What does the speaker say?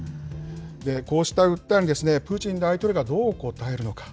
こうした訴えに、プーチン大統領がどう答えるのか。